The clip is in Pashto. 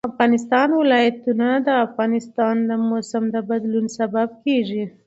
د افغانستان ولايتونه د افغانستان د موسم د بدلون سبب کېږي.